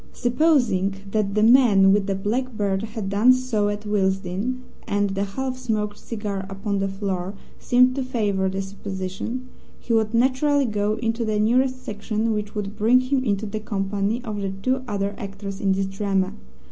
Supposing that the man with the black beard had done so at Willesden (and the half smoked cigar upon the floor seemed to favour the supposition), he would naturally go into the nearest section, which would bring him into the company of the two other actors in this drama.